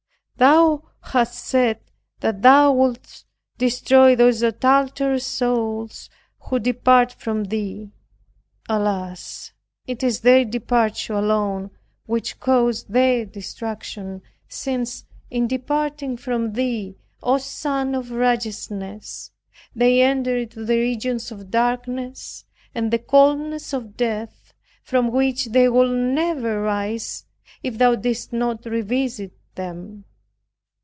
Thou hast said, that Thou wilt destroy those adulterous souls who depart from Thee. Alas! it is their departure alone which causes their destruction, since, in departing from Thee, O Sun of Righteousness, they enter into the regions of darkness and the coldness of death, from which they would never rise, if Thou didst not revisit them.